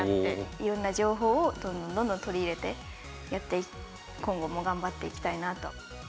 いろんな情報をどんどんどんどん取り入れてやって、今後も頑張っていきたいなと。